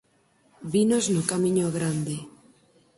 Vinos no camiño grande.